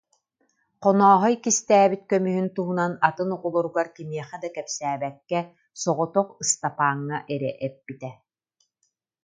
Хонооһой кистээбит көмүһүн туһунан атын оҕолоругар кимиэхэ да кэпсээбэккэ, соҕотох Ыстапааҥҥа эрэ эппитэ